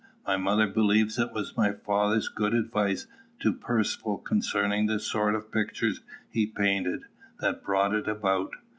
My mother believes it was my father's good advice to Percivale concerning the sort of pictures he painted, that brought it about.